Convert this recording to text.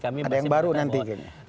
ada yang baru nanti